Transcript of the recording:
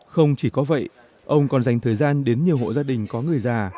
không chỉ có vậy ông còn dành thời gian đến nhiều hộ gia đình có người già